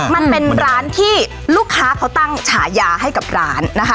มันเป็นร้านที่ลูกค้าเขาตั้งฉายาให้กับร้านนะคะ